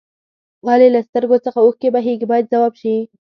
ولې له سترګو څخه اوښکې بهیږي باید ځواب شي.